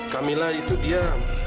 kamila itu dia